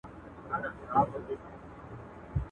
دوه او درې ځله غوټه سو په څپو کي.